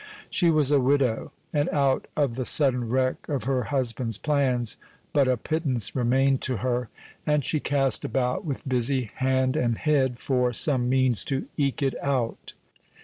She was a widow, and out of the sudden wreck of her husband's plans but a pittance remained to her, and she cast about, with busy hand and head, for some means to eke it out.